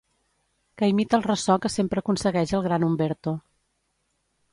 Que imita el ressò que sempre aconsegueix el gran Umberto.